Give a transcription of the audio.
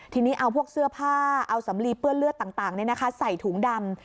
ทีนี้เอาพวกเสื้อผ้าเอาสำลีเปื้อนเลือดต่างใส่ถุงดำ